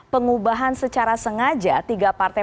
pengubahan secara sengaja tiga partai